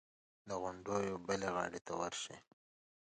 د غونډیو بلې غاړې ته ورشي.